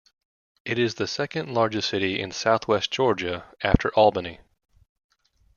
It is the second largest city in Southwest Georgia after Albany.